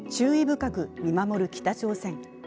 深く見守る北朝鮮。